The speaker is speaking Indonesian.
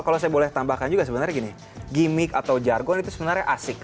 kalau saya boleh tambahkan juga sebenarnya gini gimmick atau jargon itu sebenarnya asik